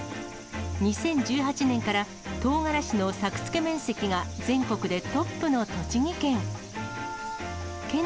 ２０１８年から、とうがらしの作付面積が全国でトップの栃木県。